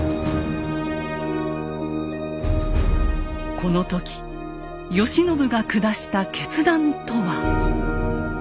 この時慶喜が下した決断とは。